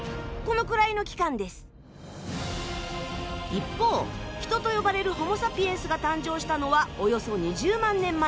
一方人と呼ばれるホモサピエンスが誕生したのはおよそ２０万年前。